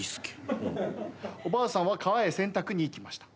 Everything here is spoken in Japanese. おばあさんは川へ洗濯に行きました。